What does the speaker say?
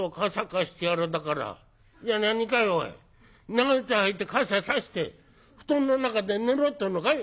長靴履いて傘差して布団の中で寝ろってえのかい？」。